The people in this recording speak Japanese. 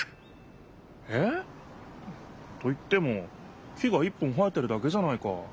えっ？と言っても木が１本生えてるだけじゃないか。